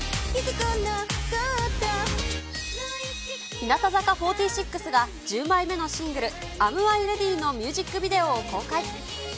日向坂４６が１０枚目のシングル、アム・アイ・レディ？のミュージックビデオを公開。